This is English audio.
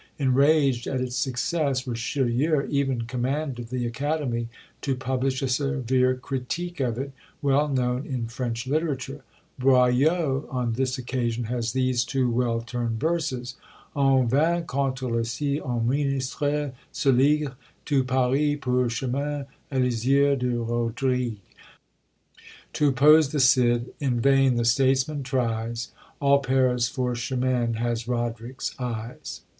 Enraged at its success, Richelieu even commanded the Academy to publish a severe critique of it, well known in French literature. Boileau on this occasion has these two well turned verses: "En vain contre le Cid, un ministre se ligue; Tout Paris, pour Chimene, a les yeux de Rodrigue." "To oppose the Cid, in vain the statesman tries; All Paris, for Chimene, has Roderick's eyes."